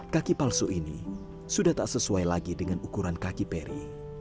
kaki palsu ini sudah tak sesuai lagi dengan ukuran kaki peri